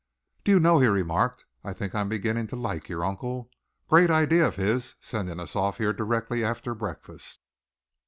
"Do you know," he remarked, "I think I am beginning to like your uncle. Great idea of his, sending us off here directly after breakfast."